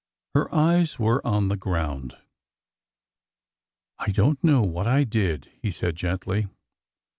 Her eyes were on the ground. " I don't know what I did," he said gently.